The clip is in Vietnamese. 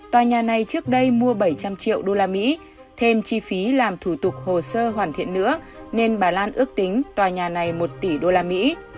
tòa nhà này trước đây mua bảy trăm linh triệu usd thêm chi phí làm thủ tục hồ sơ hoàn thiện nữa nên bà lan ước tính tòa nhà này một tỷ usd